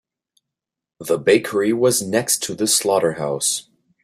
The bakery was next to the slaughterhouse.